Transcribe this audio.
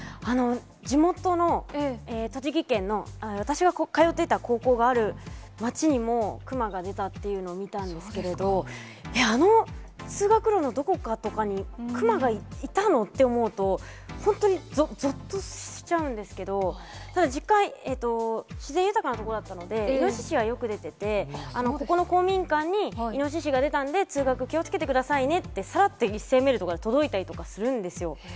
地元の栃木県の、私が通っていた高校がある町にも、クマが出たっていうのを見たんですけれど、あの通学路のどこかとかにクマがいたの？って思うと、本当にぞっとしちゃうんですけど、ただ、実家は自然豊かな所だったので、イノシシはよく出てて、ここの公民館にイノシシが出たんで、通学、気をつけてくださいねってさらっと一斉メールとかで届いたりするんですよ。